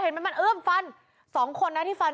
เห็นมั้ยมันเอื้อมฟัน๒คนน่ะที่ฟัน